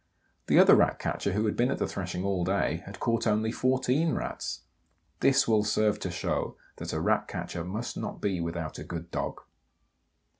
The other Rat catcher, who had been at the threshing all day, had caught only 14 Rats. This will serve to show that a Rat catcher must not be without a good dog.